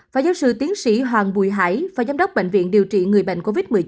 phó giáo sư tiến sĩ hoàng bùi hải phó giám đốc bệnh viện điều trị người bệnh covid một mươi chín